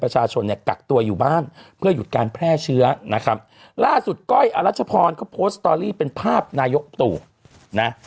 เชื้อนะครับล่าสุดก้อยอรัชพรก็โพสตอรี่เป็นภาพนายกตุนะ